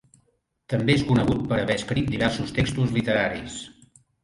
També és conegut per haver escrit diversos textos literaris.